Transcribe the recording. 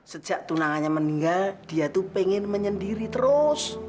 sejak tunangannya meninggal dia itu pengen menyendiri terus